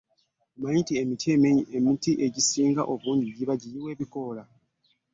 Okimanyi nti emiti egisinga gibeera giyiwa ebokoola.